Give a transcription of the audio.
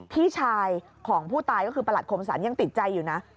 พี่ชายของผู้ตายก็คือประหลัดคมสรรยังติดใจอยู่นะ